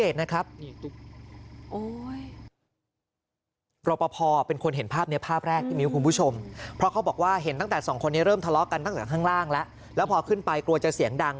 จะเริ่มทะเลาะกันตั้งแต่ข้างล่างแล้วแล้วพอขึ้นไปกลัวจะเสียงดัง